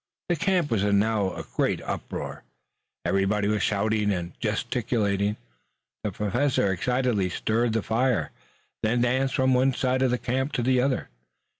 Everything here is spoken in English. The camp was now in a great uproar. Everybody was shouting and gesticulating. The Professor excitedly stirred the fire, then danced from one side of the camp to the other.